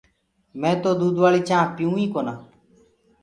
مي تو دودوآݪي چآنه پيئو ئي ڪونآ